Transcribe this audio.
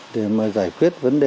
để giải quyết vấn đề